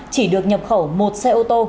chỉ được nhập khẩu một xe ô tô